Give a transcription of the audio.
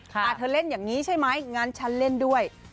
เธอเล่นอย่างนี้ใช่ไหมงั้นฉันเล่นด้วย